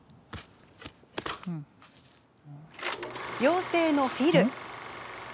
妖精のフィル。